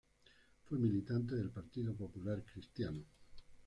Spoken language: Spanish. Fue militante del Partido Popular Cristiano.